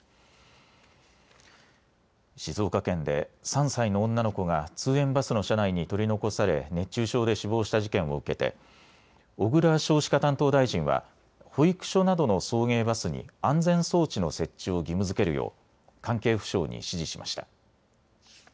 静岡県で３歳の女の子が通園バスの車内に取り残され熱中症で死亡した事件を受けて小倉少子化担当大臣は保育所などの送迎バスに安全装置の設置を義務づけるよう関係府省に指示しました。